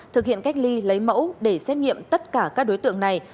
thực hiện cách ly lấy mẫu để xét nghiệm tất cả các đối tượng này